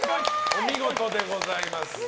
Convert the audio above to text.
お見事でございます。